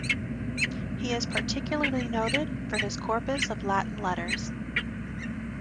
He is particularly noted for his corpus of Latin letters.